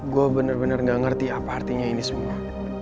gua bener bener nggak ngerti apa artinya ini semua